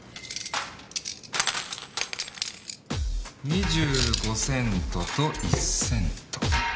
２５セントと１セント。